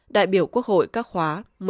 đại biểu quốc hội các khóa